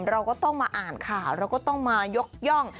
เราก็ต้องมาอ่านข่าวเราก็ต้องมายกย่อง